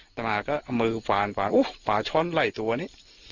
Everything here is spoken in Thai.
อักษมศ์ก็เอามือฝาห์นฝาห่วงป่าช้อนไล่ตัวนี้